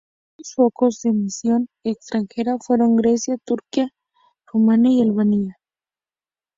Los primeros focos de misión extranjera fueron Grecia, Turquía Rumanía y Albania.